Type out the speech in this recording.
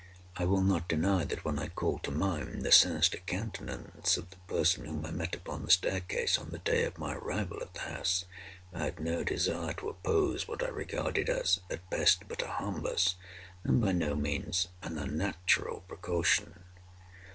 I will not deny that when I called to mind the sinister countenance of the person whom I met upon the staircase, on the day of my arrival at the house, I had no desire to oppose what I regarded as at best but a harmless, and by no means an unnatural, precaution.